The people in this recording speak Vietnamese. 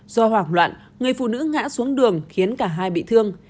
do hoảng loạn người phụ nữ ngã xuống đường khiến cả hai bị thương